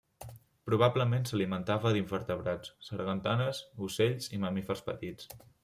Probablement s'alimentava d'invertebrats, sargantanes, ocells i mamífers petits.